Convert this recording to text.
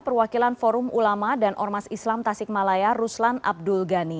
perwakilan forum ulama dan ormas islam tasikmalaya ruslan abdul ghani